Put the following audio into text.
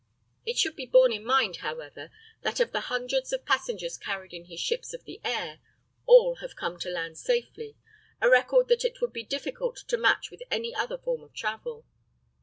It should be borne in mind, however, that of the hundreds of passengers carried in his ships of the air, all have come to land safely a record that it would be difficult to match with any other form of travel.